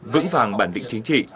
vững vàng bản định chính trị